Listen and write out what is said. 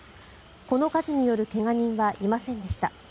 この火事による怪我人はいませんでした。